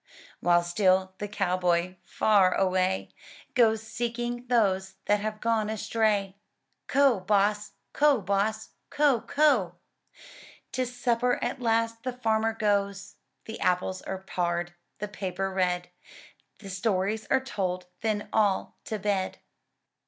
While still the cow boy, far away, Goes seeking those that have gone astray, — *^Co', boss! co', boss! co'! co'!" To supper at last the farmer goes. The apples are pared, the paper read. The stories are told, then all to bed.